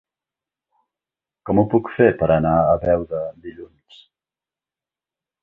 Com ho puc fer per anar a Beuda dilluns?